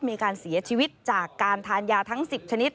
มีการเสียชีวิตจากการทานยาทั้ง๑๐ชนิด